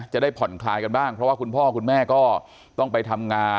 จะได้ผ่อนคลายกันบ้างเพราะว่าคุณพ่อคุณแม่ก็ต้องไปทำงาน